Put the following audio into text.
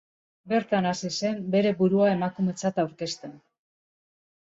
Bertan hasi zen bere burua emakumetzat aurkezten.